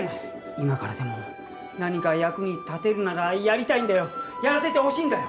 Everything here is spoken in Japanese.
今からでも何か役に立てるならやりたいんだよやらせてほしいんだよ！